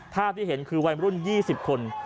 ภาพที่เห็นคือวัยรุ่น๒๐คน